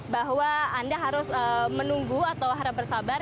bahwa anda harus menunggu atau harap bersabar